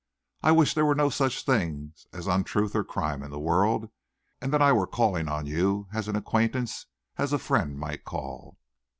I wish there were no such thing as untruth or crime in the world, and that I were calling on you, as an acquaintance, as a friend might call."